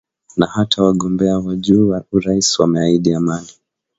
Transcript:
Na hata wagombea wa juu wa urais wameahidi amani